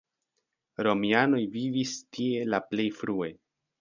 Romianoj vivis tie la plej frue.